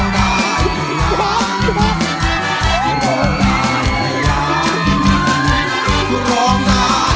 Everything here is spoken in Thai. คุณแป๊ะร้อง